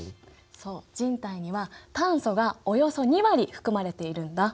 そう人体には炭素がおよそ２割含まれているんだ。